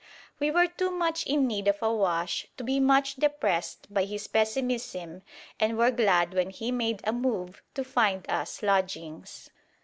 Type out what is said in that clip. We were too much in need of a wash to be much depressed by his pessimism, and were glad when he made a move to find us lodgings.